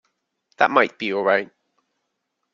That might be all right.